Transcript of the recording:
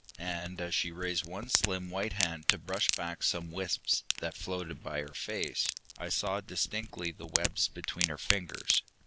And as she raised one slim white hand to brush back some wisps that floated by her face, I saw distinctly the webs between her fingers.